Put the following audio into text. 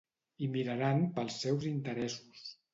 I miraran pels seus interessos.